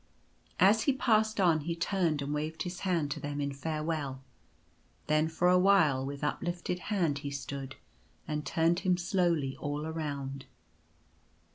As he passed on he turned and waved his hand to them in farewell. Then for a while with uplifted hand he stood, and turned him slowly all around.